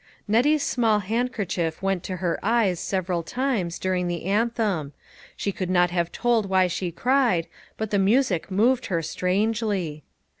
Nettie's small handkerchief went to her eyes several times during the anthem ; she could not have told why she cried, but the music moved her strangely.